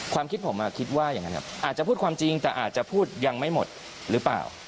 ความคิดผมคิดว่าอย่างนั้นครับอาจจะพูดความจริงแต่อาจจะพูดยังไม่หมดหรือเปล่า